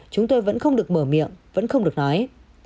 chúng tôi vẫn không được mở miệng vẫn không được nói